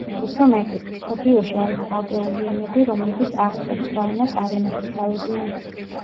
უფრო მეტიც, მსოფლიოში არის ცალკეული ენები, რომლებიც არცერთ სხვა ენას არ ენათესავებიან.